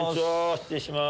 失礼します。